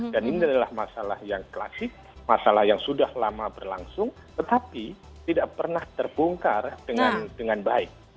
dan ini adalah masalah yang klasik masalah yang sudah lama berlangsung tetapi tidak pernah terbongkar dengan baik